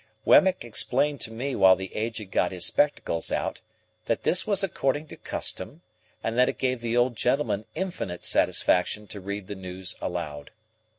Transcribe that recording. Wemmick explained to me while the Aged got his spectacles out, that this was according to custom, and that it gave the old gentleman infinite satisfaction to read the news aloud.